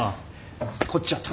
こっちは虎。